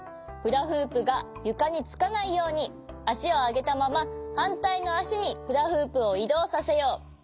フラフープがゆかにつかないようにあしをあげたままはんたいのあしにフラフープをいどうさせよう。